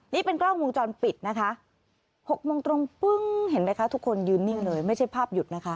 นี่เป็นกล้องวงจรปิดนะคะ๖โมงตรงปึ้งเห็นไหมคะทุกคนยืนนิ่งเลยไม่ใช่ภาพหยุดนะคะ